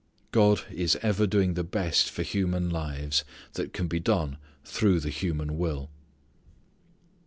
God is ever doing the best for human lives that can be done through the human will.